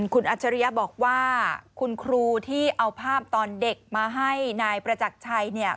คุณอัจฉริยะบอกว่าคุณครูที่เอาภาพตอนเด็กมาให้นายประจักรชัยเนี่ย